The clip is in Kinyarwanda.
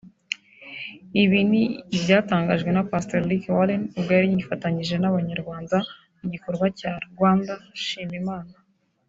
Ibi ni ibyatangajwe na pastor Rick Warren ubwo yari yifatanije n’abanyarwa mu gikorwa cya Rwanda Shima Imana